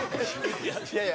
いやいや。